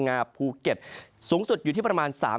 ในภาคฝั่งอันดามันนะครับ